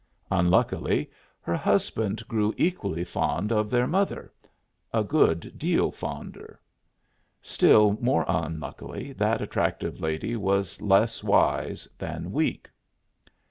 Unluckily, her husband grew equally fond of their mother a good deal fonder. Still more unluckily, that attractive lady was less wise than weak.